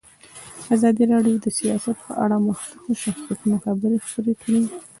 ازادي راډیو د سیاست په اړه د مخکښو شخصیتونو خبرې خپرې کړي.